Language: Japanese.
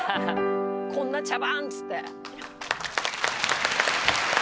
「こんな茶番！」っつって。